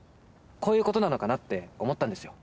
こういうことなのかなって思ったんですよ。